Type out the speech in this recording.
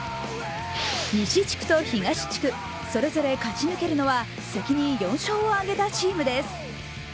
西地区と東地区、それぞれ勝ち抜けるのは、先に４勝を挙げたチームです。